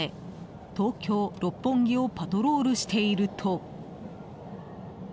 東京・六本木をパトロールしていると。